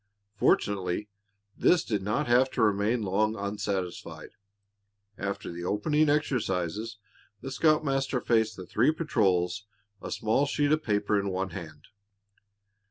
Fortunately this did not have to remain long unsatisfied. After the opening exercises the scoutmaster faced the three patrols, a small sheet of paper in one hand.